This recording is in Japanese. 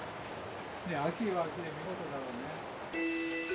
秋は秋で見事だろうね。